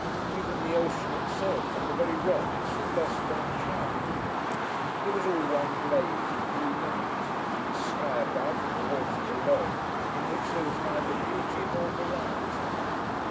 Even the ocean itself and the very rocks had lost their charm for him. It was all one blaze of blue light, the sky above and the water below, in which there was neither beauty nor variety.